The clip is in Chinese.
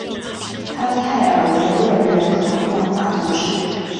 潘泰尔维勒人口变化图示